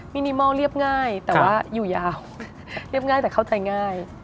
นิมอลเรียบง่ายแต่ว่าอยู่ยาวเรียบง่ายแต่เข้าใจง่าย